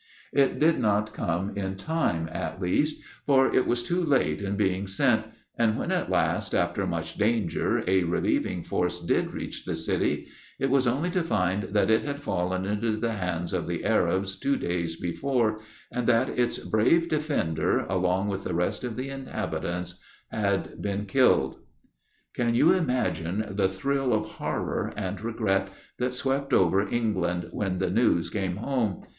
It did not come in time, at least, for it was too late in being sent; and when, at last, after much danger, a relieving force did reach the city, it was only to find that it had fallen into the hands of the Arabs two days before, and that its brave defender, along with the rest of the inhabitants, had been killed. [Illustration: Valentine and Sons, Ltd. ST. PAUL'S CATHEDRAL: THE NAVE] Can you imagine the thrill of horror and regret that swept over England when the news came home?